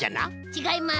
ちがいます。